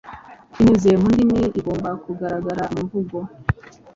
binyuze mu ndimi igomba kugaragara mumvugo